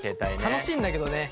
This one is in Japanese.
楽しいんだけどね。